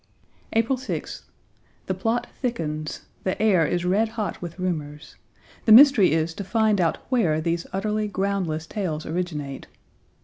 April 6th. The plot thickens, the air is red hot with rumors; the mystery is to find out where these utterly groundless tales originate.